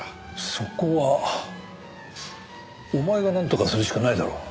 そこはお前がなんとかするしかないだろう。